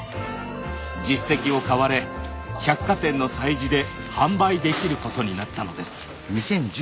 実績を買われ百貨店の催事で販売できることになったのです。